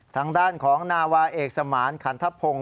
ทางด้านของนาวาเอกสมานขันทพงศ์